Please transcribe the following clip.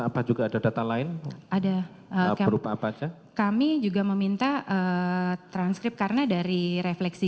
apa juga ada data lain ada oke kami juga meminta transkrip karena dari refleksi